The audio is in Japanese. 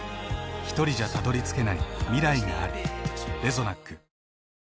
ひとりじゃたどりつけない未来がある。